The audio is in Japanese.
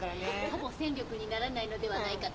・ほぼ戦力にならないのではないかと。